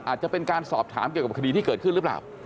อาจจะเป็นการสอบถามเกี่ยวกับคดีที่เกิดขึ้นหรือเปล่า